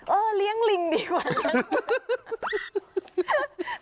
เออเลี้ยงลิงดีกว่านั้น